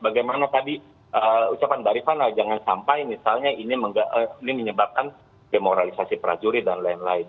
bagaimana tadi ucapan mbak rifana jangan sampai misalnya ini menyebabkan demoralisasi prajurit dan lain lain